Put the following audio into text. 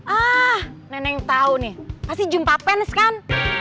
ah nenek tau nih pasti jumpa pens kan